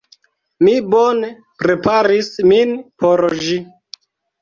Mi bone preparis min por ĝi.